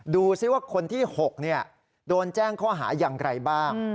ดูสิว่าคนที่๖โดนแจ้งข้อหาอย่างไรบ้าง